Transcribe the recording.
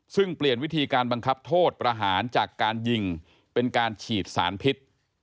ซึ่งเปลี่ยนวิธีการบังคับโทษประหารจากการยิงเป็นการฉีดสารพิษ